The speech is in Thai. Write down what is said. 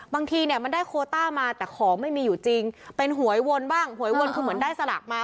บางทีเนี่ยมันได้โคต้ามาแต่ของไม่มีอยู่จริงเป็นหวยวนบ้างหวยวนคือเหมือนได้สลากมา